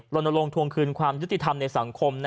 ลงทวงคืนความยุติธรรมในสังคม